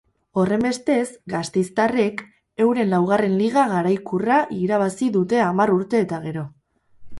Horrenbestez, gasteiztarrek euren laugarren liga garaikurra irabazi dute hamar urte eta gero.